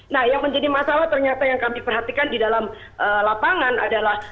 nah yang menjadi masalah ternyata yang kami perhatikan di dalam lapangan adalah